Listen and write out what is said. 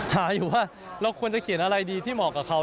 หาอยู่ว่าเราควรจะเขียนอะไรดีที่เหมาะกับเขา